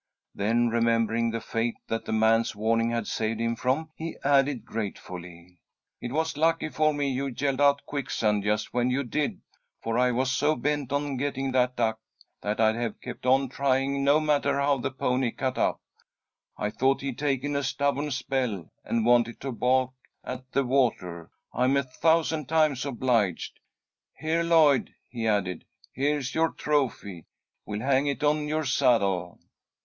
Then, remembering the fate that the man's warning had saved him from, he added, gratefully: "It was lucky for me you yelled out quicksand just when you did, for I was so bent on getting that duck that I'd have kept on trying, no matter how the pony cut up. I thought he had taken a stubborn spell, and wanted to balk at the water. I'm a thousand times obliged. Here, Lloyd," he added. "Here's your trophy. We'll hang it on your saddle."